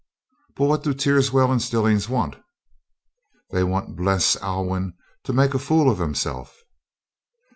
"But what do Teerswell and Stillings want?" "They want Bles Alwyn to make a fool of himself."